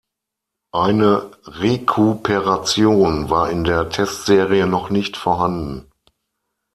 Eine Rekuperation war in der Testserie noch nicht vorhanden.